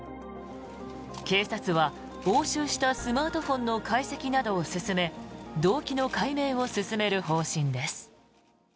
警察は押収したスマートフォンの解析などを進め動機の解明を進める方針です。